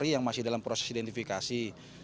yang masih dalam proses identifikasi